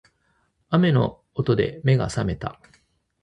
雨の音で目が覚めた